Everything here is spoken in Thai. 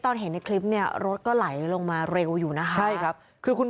เห็นในคลิปเนี่ยรถก็ไหลลงมาเร็วอยู่นะคะใช่ครับคือคุณ